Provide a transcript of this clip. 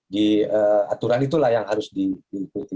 di aturan itulah yang harus diikuti